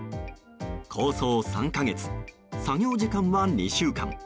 構想３か月、作業時間は２週間。